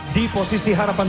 di posisi harapan tiga